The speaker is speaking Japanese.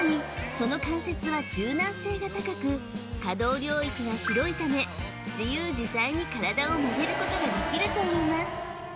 その関節は柔軟性が高く可動領域が広いため自由自在に体を曲げることができるといいます